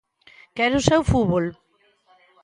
Quere o seu fútbol.